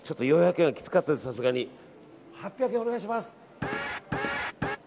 ８００円、お願いします！